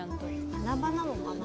穴場なのかな？